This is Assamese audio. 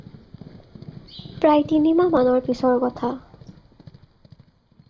প্ৰায় তিনি মাহ মানৰ পিছৰ কথা।